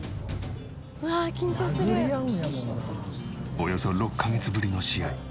およそ６カ月ぶりの試合。